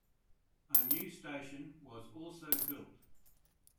A new station was also built.